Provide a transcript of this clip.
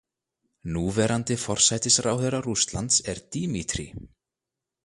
Núverandi forsætisráðherra Rússlands er Dímítrí.